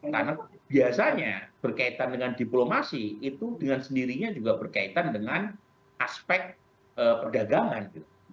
karena biasanya berkaitan dengan diplomasi itu dengan sendirinya juga berkaitan dengan aspek perdagangan